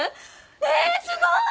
えっすごい！